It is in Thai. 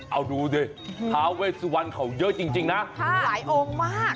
เอาดูดิท้าเวสวันเขาเยอะจริงนะหลายองค์มาก